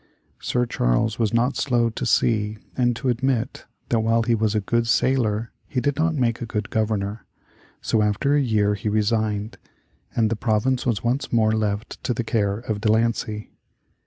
Sir Charles was not slow to see and to admit that while he was a good sailor, he did not make a good Governor, so after a year he resigned, and the province was once more left to the care of De Lancey.